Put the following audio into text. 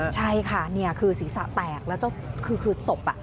ใช่ค่ะศีรษะแตกแล้วทรงทุกขึ้นคือสม